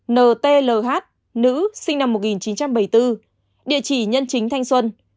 một ntlh nữ sinh năm một nghìn chín trăm bảy mươi bốn địa chỉ nhân chính thanh xuân